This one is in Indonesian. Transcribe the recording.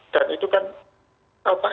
dan itu kan